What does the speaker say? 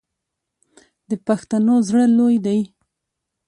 د پښتنو زړه لوی دی.